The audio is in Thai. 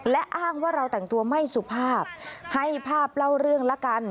และอ้างว่าเราแต่งตัวไม่สุภาพให้ภาพเล่าเรื่องละกัน